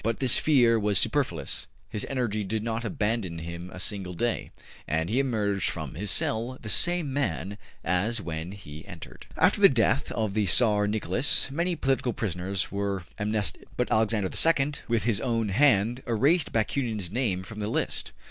But this fear was superfluous; his energy did not abandon him a single day, and he emerged from his cell the same man as when he entered.'' Ibid. p. xxvi. After the death of the Tsar Nicholas many political prisoners were amnested, but Alexander II with his own hand erased Bakunin's name from the list.